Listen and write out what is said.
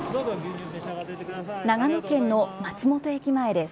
長野県の松本駅前です。